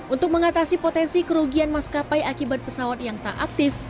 untuk mengatasi potensi kerugian maskapai akibat pesawat yang tak aktif